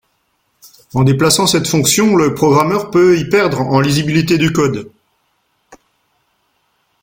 En déplaçant cette fonction, le programmeur peut y perdre en lisibilité du code.